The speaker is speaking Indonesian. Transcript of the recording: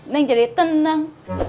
neng jadi tenang